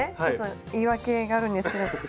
ちょっと言い訳があるんですけど。